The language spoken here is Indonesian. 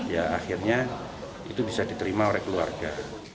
ya akhirnya itu bisa diterima oleh keluarga